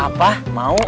kalau pak rt ikut takut